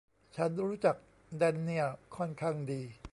ฉันรู้จักแดนเนียลค่อนข้างดี